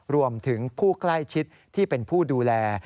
รวมถึงผู้ใกล้ชิดที่เป็นผู้ดูแล